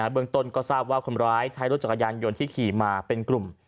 เมืองต้นก็ทราบว่าคนร้ายใช้รถจักรยานยนต์ที่ขี่มาเป็นกลุ่ม